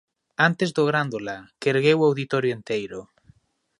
Antes do Grándola, que ergueu o Auditorio enteiro.